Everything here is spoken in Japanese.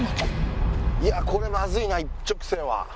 いやあこれまずいな一直線は。